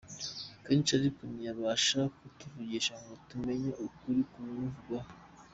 kenshi ariko ntiyabasha kutuvugisha ngo tumenye ukuri ku bimuvugwaho.